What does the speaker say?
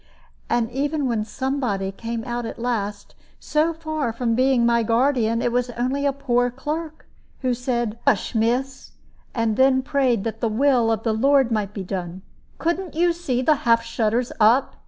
And even when somebody came at last, so far from being my guardian, it was only a poor old clerk, who said, "Hush, miss!" and then prayed that the will of the Lord might be done. "Couldn't you see the half shutters up?"